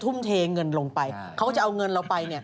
สวัสดีค่าข้าวใส่ไข่